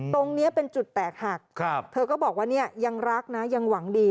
ตรงนี้เป็นจุดแตกหักเธอก็บอกว่าเนี่ยยังรักนะยังหวังดี